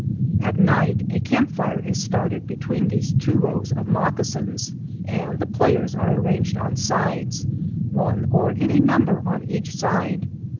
At night a camp fire is started between these two rows of moccasins, and the players are arranged on sides, one or any number on each side.